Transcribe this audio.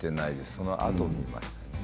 そのあとに。